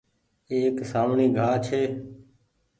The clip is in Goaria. ايڪ سآوڻي گآه ڇي۔